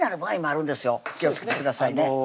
気をつけてくださいね